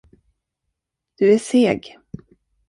Du är seg.